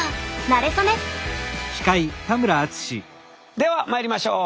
ではまいりましょう！